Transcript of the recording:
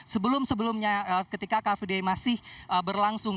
sebelum sebelumnya ketika car free day masih berlangsung